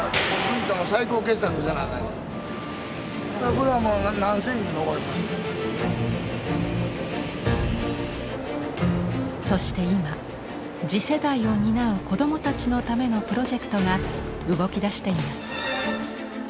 これはもうそして今次世代を担う子どもたちのためのプロジェクトが動きだしています。